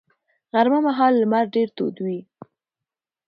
غرمه مهال لمر ډېر تود وي